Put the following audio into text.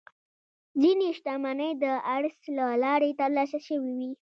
ځینې شتمنۍ د ارث له لارې ترلاسه شوې وي.